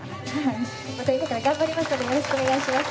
また今から頑張りますので、よろしくお願いします。